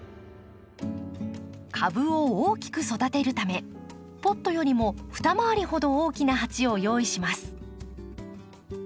株を大きく育てるためポットよりも二回りほど大きな鉢を用意します。